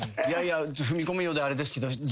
いやいや踏み込むようであれですけど